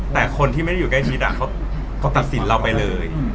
แต่คนที่ไม่ได้อยู่ใกล้ชิดเขาก็ตัดสินเราไปเลย